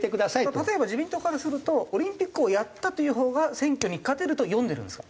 例えば自民党からするとオリンピックをやったというほうが選挙に勝てると読んでるんですか？